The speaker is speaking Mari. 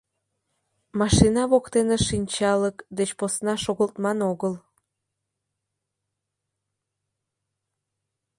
— Машина воктене шинчалык деч посна шогылтман огыл.